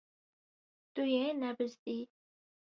Tu yê nebizdî.